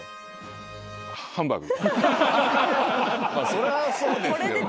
それはそうですよね。